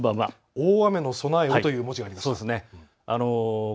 大雨の備えをという文字がありましたね。